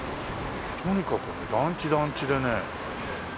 とにかく団地団地でね。